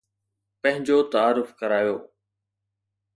پنهنجو تعارف ڪرايو